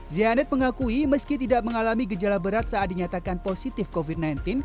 zianet mengakui meski tidak mengalami gejala berat saat dinyatakan positif covid sembilan belas